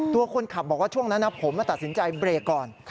ตัวคนขับบอกว่าช่วงนั้นผมตัดสินใจเบรกก่อน